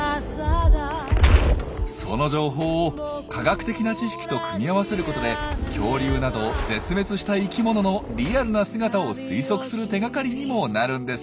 その情報を科学的な知識と組み合わせることで恐竜など絶滅した生きもののリアルな姿を推測する手がかりにもなるんですよ。